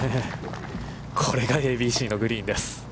これがＡＢＣのグリーンです。